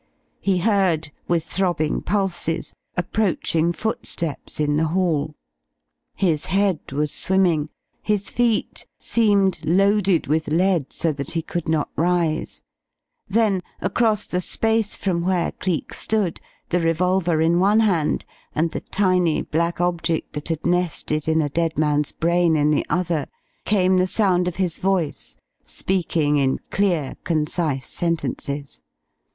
He heard, with throbbing pulses, approaching footsteps in the hall. His head was swimming, his feet seemed loaded with lead so that he could not rise. Then, across the space from where Cleek stood, the revolver in one hand and the tiny black object that had nested in a dead man's brain in the other, came the sound of his voice, speaking in clear, concise sentences.